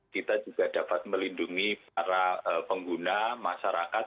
kita juga dapat melindungi para pengguna masyarakat